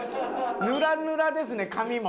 ぬらぬらですね髪も。